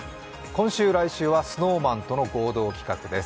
今週、来週はＳｎｏｗＭａｎとの合同企画です。